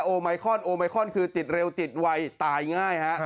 โอไมคอนโอไมคอนคือติดเร็วติดไวตายง่ายฮะ